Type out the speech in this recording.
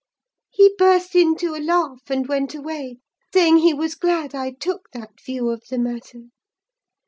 He burst into a laugh, and went away, saying he was glad I took that view of the matter.